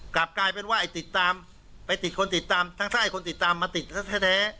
กลับกลายเป็นว่าไอ้ติดตามไปติดคนติดตามทั้งไส้คนติดตามมาติดแท้